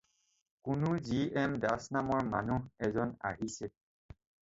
কোনো G M Das নামৰ মানুহ এজন আহিছে।